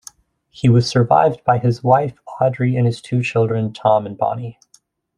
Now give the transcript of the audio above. He was survived by his wife, Audrey, and two children: Tom and Bonnie.